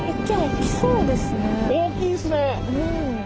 大きいですね。